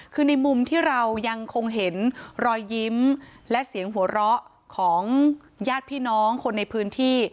คือในมุมที่เรายังคงเห็นรอยยิ้มและเสียงหัวเราะของญาติพี่น้องคนในพื้นที่